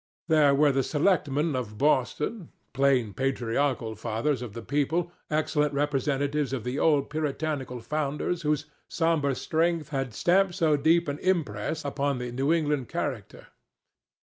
There were the selectmen of Boston—plain patriarchal fathers of the people, excellent representatives of the old puritanical founders whose sombre strength had stamped so deep an impress upon the New England character.